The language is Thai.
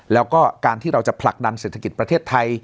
แล้วก็การที่เราจะผลักดันเศรษฐกิจประเทศไทย